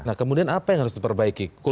nah kemudian apa yang harus diperbaiki